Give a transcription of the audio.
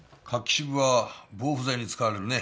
柿渋は防腐剤に使われるね。